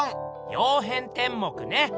「曜変天目」ね。